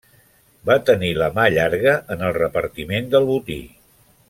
Va tenir la mà llarga en el repartiment del botí.